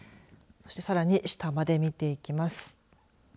そして、さらに下まで見ていきます。